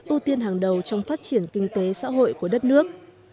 ưu tiên hàng đầu trong phát triển kinh tế xã hội của đất nước